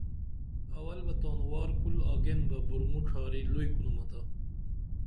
اول بہ تانُوار کُل آگین بہ بُرومو ڇھاری لُئی کُنُمہ تا